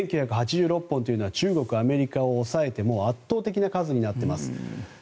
１９８６本というのは中国、アメリカを抑えて圧倒的な数になっています。